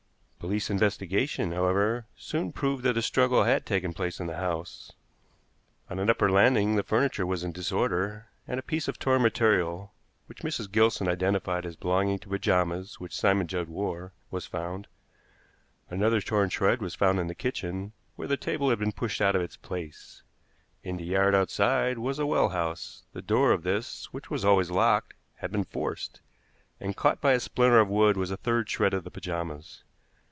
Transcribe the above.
Police investigation, however, soon proved that a struggle had taken place in the house. On an upper landing the furniture was in disorder, and a piece of torn material, which Mrs. Gilson identified as belonging to pajamas which Simon Judd wore, was found. Another torn shred was found in the kitchen, where the table had been pushed out of its place. In the yard outside was a well house. The door of this, which was always locked, had been forced, and caught by a splinter of wood was a third shred of the pajamas.